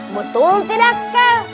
betul tidak kan